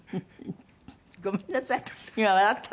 ごめんなさい。